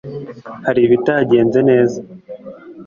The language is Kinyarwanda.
hari ibitagenze neza